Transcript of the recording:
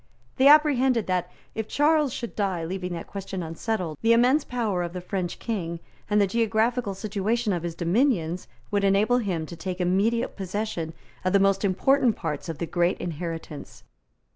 They apprehended that, if Charles should die leaving that question unsettled, the immense power of the French King and the geographical situation of his dominions would enable him to take immediate possession of the most important parts of the great inheritance.